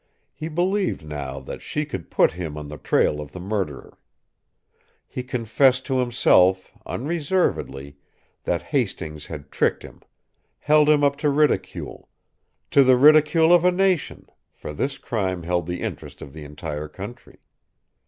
He believed now that she could put him on the trail of the murderer. He confessed to himself, unreservedly, that Hastings had tricked him, held him up to ridicule to the ridicule of a nation, for this crime held the interest of the entire country.